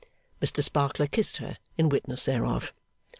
Mr Sparkler kissed her, in witness thereof.